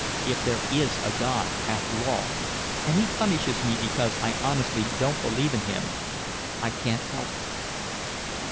If there is a God after all and he punishes me because I honestly don't believe in Him I can't help it."